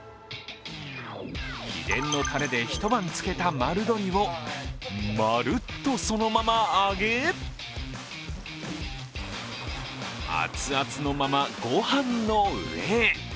秘伝のたれで一晩漬けた丸鶏をまるっとそのまま揚げアツアツのままご飯の上へ。